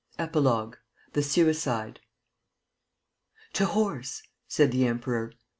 ." EPILOGUE THE SUICIDE "To horse!" said the Emperor.